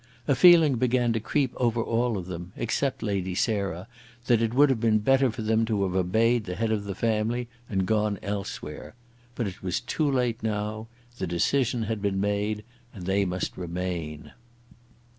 A feeling began to creep over all of them, except Lady Sarah, that it would have been better for them to have obeyed the head of the family and gone elsewhere. But it was too late now. The decision had been made, and they must remain.